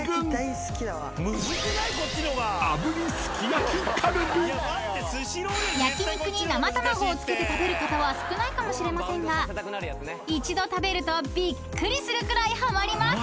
［焼き肉に生卵をつけて食べる方は少ないかもしれませんが一度食べるとびっくりするくらいはまります］